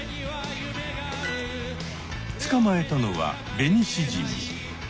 つかまえたのはベニシジミ。